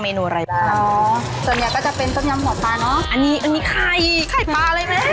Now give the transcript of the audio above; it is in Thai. เนูอะไรบ้างอ๋อส่วนใหญ่ก็จะเป็นต้มยำหัวปลาเนอะอันนี้อันนี้ไข่ไข่ปลาอะไรแม่